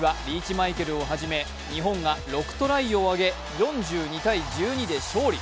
マイケルをはじめ日本が６トライを挙げ４２−１２で勝利。